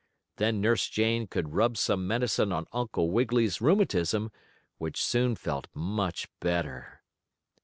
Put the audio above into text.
Then Nurse Jane could rub some medicine on Uncle Wiggily's rheumatism, which soon felt much better.